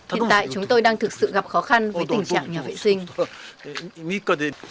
hiện tại chúng tôi đang thực sự gặp khó khăn với tình trạng nhà vệ sinh